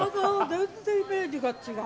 全然イメージが違う！